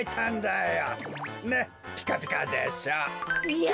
ねっピカピカでしょ？